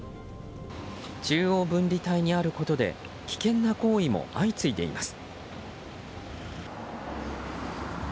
中央分離帯にあることで危険な行為も相次いでいます。